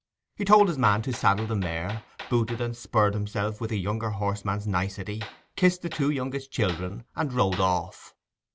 He told his man to saddle the mare, booted and spurred himself with a younger horseman's nicety, kissed the two youngest children, and rode off.